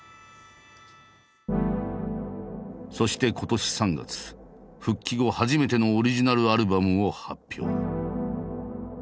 そして今年３月復帰後初めてのオリジナルアルバムを発表。